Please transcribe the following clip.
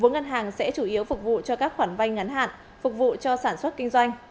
bốn ngân hàng sẽ chủ yếu phục vụ cho các khoản vay ngắn hạn phục vụ cho sản xuất kinh doanh